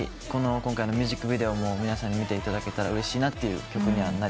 今回のミュージックビデオも皆さんに見ていただけたらうれしいなって曲にはなりましたね。